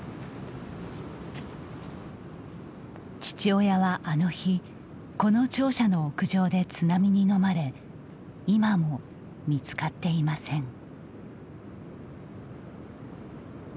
父親はあの日この庁舎の屋上で津波にのまれ今も見つかっていません。